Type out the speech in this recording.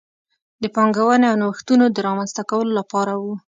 د پانګونې او نوښتونو د رامنځته کولو لپاره و.